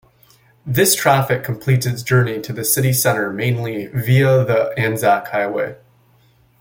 This traffic completes its journey to the city centre mainly via the Anzac Highway.